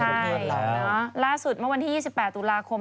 ใช่ล่าสุดเมื่อวันที่๒๘ตุลาคม